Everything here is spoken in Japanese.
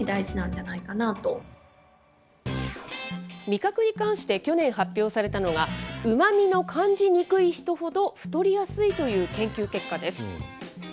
味覚に関して去年発表されたのが、うまみの感じにくい人ほど太りやすいという研究結果です。